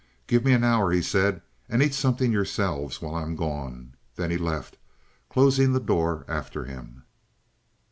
"Give me an hour," he said. "And eat something yourselves while I am gone." Then he left, closing the door after him.